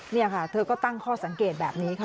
นี่ค่ะเธอก็ตั้งข้อสังเกตแบบนี้ค่ะ